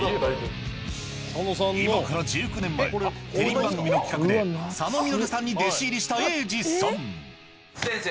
今から１９年前テレビ番組の企画で佐野実さんに弟子入りした英次さん先生！